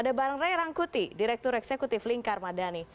ada bang ray rangkuti direktur eksekutif lingkar madani